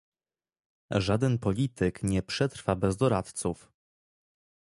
Żaden polityk nie przetrwa bez doradców